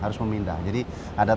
jalankan angkat animasi ini